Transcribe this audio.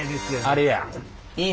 あれや。